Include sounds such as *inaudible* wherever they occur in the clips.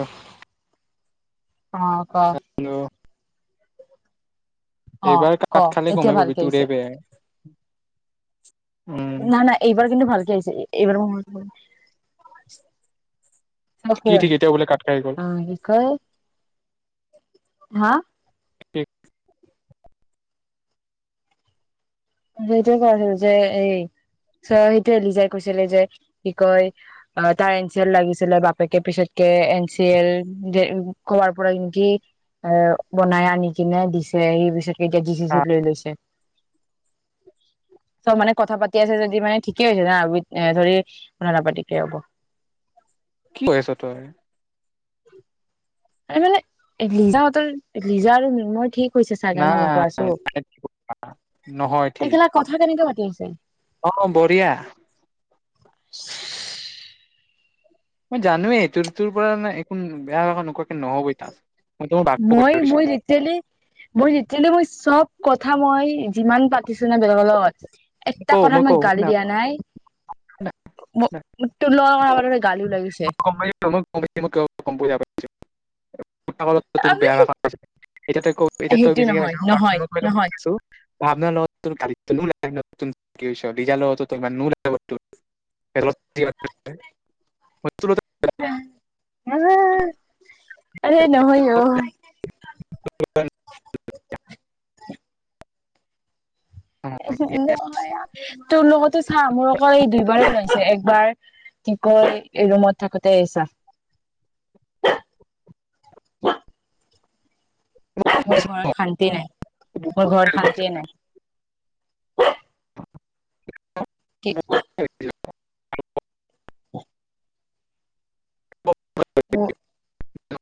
অ অ ক অ এইবাৰ ক কাট খালে এতিয়া গমেই ভালকে পাবি আহিছে তোৰেই বেয়াই। না-না এইবাৰ কিন্তু ভালকে আহিছে । এইবাৰে মই শুম চ অ কি ঠিক এতিয়া বোলে কাট খাই গ'ল কি কয় *unintelligible* হা? *inaudible* সেইটোৱে কৈছিল যে এই চ সেইটোৱে এলিজাই কৈছিলে যে কি কয় তাৰ এন চি এল লাগিছিলে বাপেকে পিছতকে এন চি এল কবোৱাৰ পৰা কি এ বনাই আনি কিনে দিছে হি পিছত। এই এতিয়া জি চি চিত আহ, লৈ লৈছে। চব মানে কথা পাতি আছে যদি মানে ঠিকেই হৈছে না ধৰি কথা নাপাতিকে হ'ব কি কয় আছ তই। এই মানে লিজাহঁতৰ, লিজা আৰু মই ঠিক শোইছে না চাগে ন মই কৈ আঁছো নহয় তই ঠিক কথা কেনেকে পা কছে। অ বঢ়িয়া। *inaudible* মই জানোৱেই তোৰ-তোৰ পৰা নে একো বেয়া ভাষা নকয়। মই-মই যেতিয়ালি মই যেতিয়াললে মই চব। কথা মই যিমান পাতিছো নে বেলেগৰ লগত। এটা কথাত মই কওঁ গালি শুনা দিয়া নাই ম তোৰলগত *inaudible* ক প *unintelligible* তোৰ বেয়া ভাষা এতিয়া তই সেইটো বেচিকে নহয় পাইছো কাৰছো নহয় নহয় *unintelligible* আপোনাৰ লগজাৰ লগ *unintelligible* হৈছে টোৰ উম আৰে নহয় অ তোৰ *unintelligible* হেল্ল' তোৰ লগতো চা মোৰ অকল এই দুইবাৰ লৈছে একবাৰ কি কয় ৰুমত থাকোতে আহিছা মোৰ ঘৰত শান্তি নাই মোৰ ঘৰত শান্তিয়ে নাই কি অ অ উ উ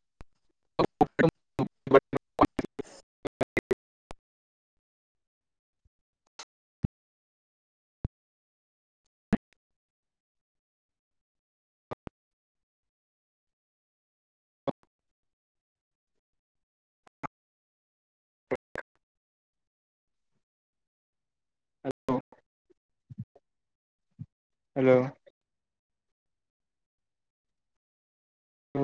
হেল্ল' অ